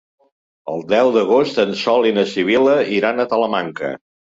El deu d'agost en Sol i na Sibil·la iran a Talamanca.